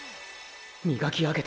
磨き上げた